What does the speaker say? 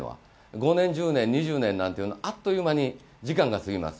５年、１０年、２０年というのはあっという間に時間が過ぎます。